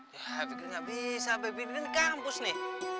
ya fikri nggak bisa be bikin di kampus nih